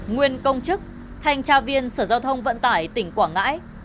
nguyên công chức thanh tra viên sở giao thông vận tải tỉnh quảng ngãi